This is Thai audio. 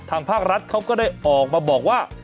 ทางภาครัฐเขาก็ได้ออกมาบอกว่า